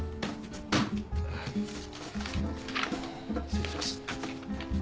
失礼します。